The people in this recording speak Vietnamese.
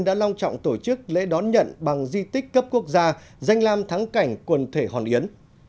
đã long trọng tổ chức lễ đón nhận bằng di tích cấp quốc gia danh lam thắng cảnh quần thể hòn yến